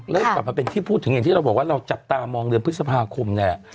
กลับมาเป็นที่พูดถึงอย่างที่เราบอกว่าเราจับตามองเดือนพฤษภาคมนี่แหละ